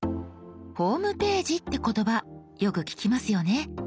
「ホームページ」って言葉よく聞きますよね。